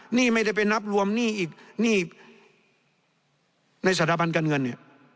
หนี้ไม่ได้ไปนับรวมหนี้อีกหนี้ในสถาบันการเงินเนี่ย